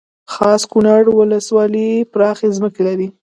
خاص کونړ ولسوالۍ پراخې ځمکې لري